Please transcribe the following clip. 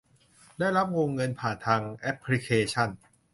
ได้รับวงเงินผ่านทางแอปพลิเคชัน